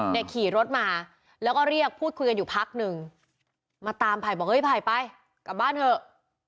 ขี่รถมาแล้วก็เรียกพูดคุยกันอยู่พักหนึ่งมาตามไผ่บอกเฮ้ยไผ่ไปกลับบ้านเถอะ